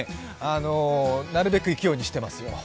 なるべく行くようにしてますよ。